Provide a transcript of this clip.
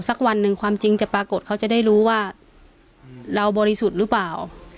สักวันหนึ่งความจริงจะปรากฏเขาจะได้รู้ว่าเราบริสุทธิ์หรือเปล่า